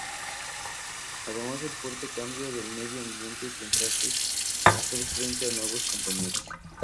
Además del fuerte cambio del medio ambiente, tendrá que hacer frente a nuevos compañeros.